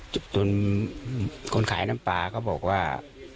จนคนขายน้ำปลาก็บอกว่า